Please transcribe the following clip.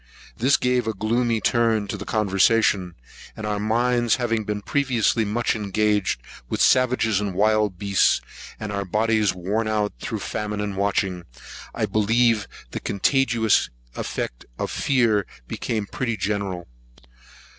This gave a gloomy turn to the conversation; and our minds having been previously much engaged with savages and wild beasts, and our bodies worn out through famine and watching, I believe the contagious effects of fear became pretty general.